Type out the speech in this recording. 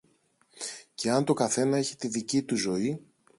Κι αν το καθένα είχε τη δική του ζωή